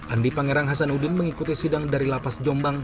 andi pangerang hasanuddin mengikuti sidang dari lapas jombang